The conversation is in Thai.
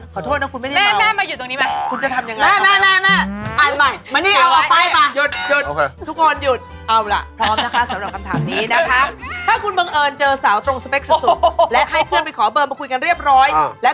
ขอโทษนะคุณไม่ได้เมาแม่แม่มาหยุดตรงนี้มา